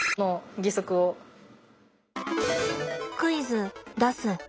クイズ出す。